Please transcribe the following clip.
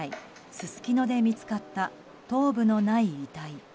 すすきので見つかった頭部のない遺体。